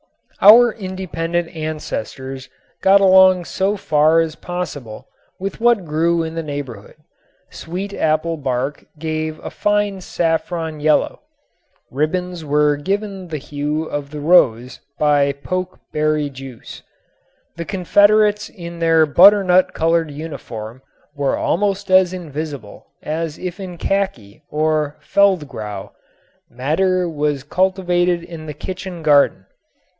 Our independent ancestors got along so far as possible with what grew in the neighborhood. Sweetapple bark gave a fine saffron yellow. Ribbons were given the hue of the rose by poke berry juice. The Confederates in their butternut colored uniform were almost as invisible as if in khaki or feldgrau. Madder was cultivated in the kitchen garden.